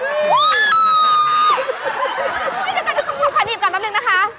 ทุกคนค่ะขานิบกันแปปนึงนะคะ